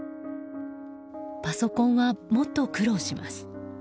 パソコンはもっと苦労します。